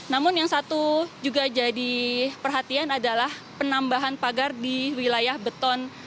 namun yang satu juga jadi perhatian adalah penambahan pagar di wilayah beton